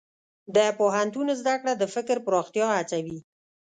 د پوهنتون زده کړه د فکر پراختیا هڅوي.